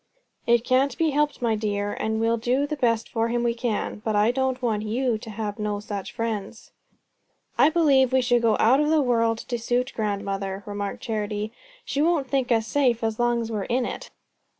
"It can't be helped, my dear, and we'll do the best for him we can. But I don't want you to have no such friends." "I believe we should go out of the world to suit grandmother," remarked Charity. "She won't think us safe as long as we're in it."